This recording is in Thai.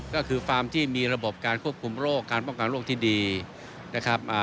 ก็คือฟาร์มที่มีระบบการควบคุมโรคการป้องกันโรคที่ดีนะครับ